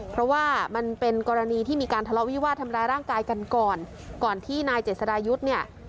เพราะว่ามันเป็นกรณีที่มีการทะเลาะวิวาดทำร้ายร่างกายกันก่อนก่อนที่นายเจษดายุทธ์เนี่ย